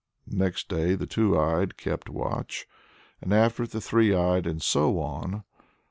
Next day the two eyed kept watch, and after it the three eyed and so on.